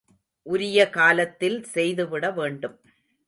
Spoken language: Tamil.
உரிய காலத்தில் செய்து விட வேண்டும்.